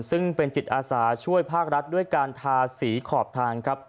ซึ่งเป็นจิตอาสาช่วยภาครัฐด้วยการทาสีขอบทางครับ